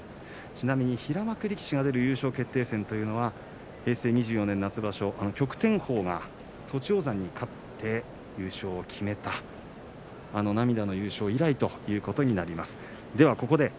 ちなみに平幕が出る優勝決定戦は平成２４年夏場所旭天鵬が栃煌山に勝って優勝を決めた、あの涙の優勝以来ということになります。